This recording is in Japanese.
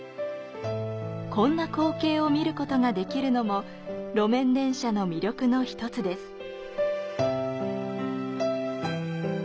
こんな光景を見ることができるのも路面電車の魅力の１つです。